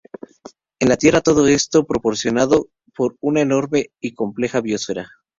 En la Tierra todo esto es proporcionado por una enorme y compleja biosfera.